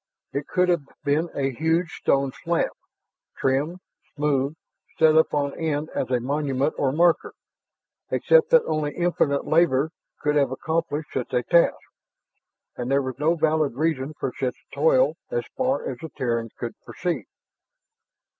It could have been a huge stone slab, trimmed, smoothed, set up on end as a monument or marker, except that only infinite labor could have accomplished such a task, and there was no valid reason for such toil as far as the Terrans could perceive.